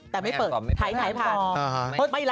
แต่ไม่เปิดถ่ายผ่าน